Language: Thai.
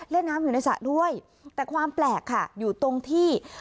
เล่นน้ำอยู่ในสระด้วยแต่ความแปลกค่ะอยู่ตรงที่